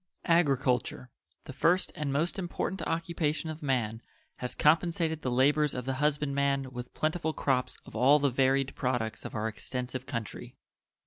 Agriculture, the first and most important occupation of man, has compensated the labors of the husband man with plentiful crops of all the varied products of our extensive country.